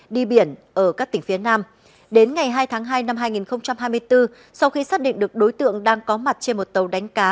đi biển ở các tỉnh phía nam đến ngày hai tháng hai năm hai nghìn hai mươi bốn sau khi xác định được đối tượng đang có mặt trên một tàu đánh cá